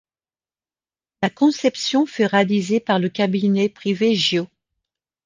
La conception fut réalisée par le cabinet privé Gio.